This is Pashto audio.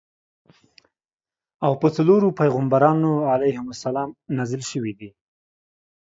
او په څلورو پیغمبرانو علیهم السلام نازل شویدي.